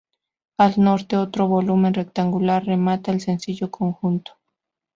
Al norte, otro volumen rectangular remata el sencillo conjunto.